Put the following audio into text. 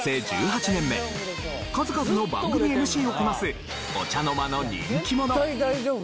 数々の番組ＭＣをこなすお茶の間の人気者。